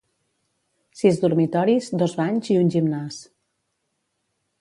sis dormitoris, dos banys i un gimnàs